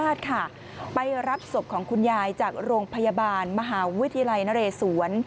ที่นี่ยาดค่ะไปรับศพของคุณยายจากโรงพยาบาลมหาวิทยาลัยนระเรศวร